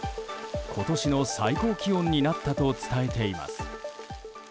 今年の最高気温になったと伝えています。